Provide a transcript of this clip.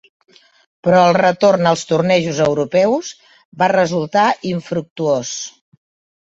Però el retorn als tornejos europeus va resultar infructuós.